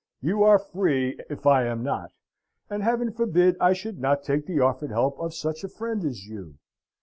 "You are free if I am not, and Heaven forbid I should not take the offered help of such a friend as you.